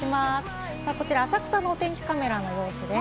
こちら浅草のお天気カメラの様子です。